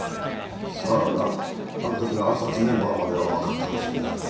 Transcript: さぁなあん時の暗殺メンバーまでは分かったらしいが。